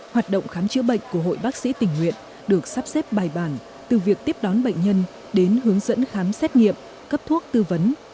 hoạt động khám chữa bệnh của hội bác sĩ tình nguyện được sắp xếp bài bản từ việc tiếp đón bệnh nhân đến hướng dẫn khám xét nghiệm cấp thuốc tư vấn